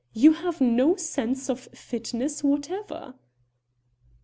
You have no sense of fitness whatever."